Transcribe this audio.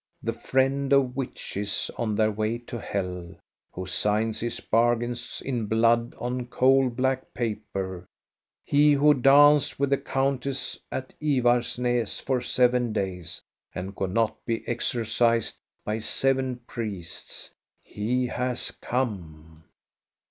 The friend of witches on their way to hell, who signs his bargains in blood on coal black paper, he who danced with the countess at Ivarsnas for seven days, and could not be exorcized by seven priests, — he has come.